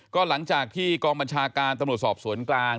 ก็หลังจากที่กองบัญชาการตำรวจสอบสวนกลาง